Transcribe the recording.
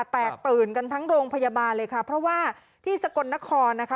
แตกตื่นกันทั้งโรงพยาบาลเลยค่ะเพราะว่าที่สกลนครนะคะ